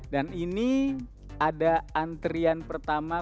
dan ini ada antrian pertama